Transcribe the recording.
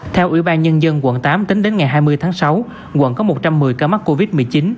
theo ủy ban nhân dân quận tám tính đến ngày hai mươi tháng sáu quận có một trăm một mươi ca mắc covid một mươi chín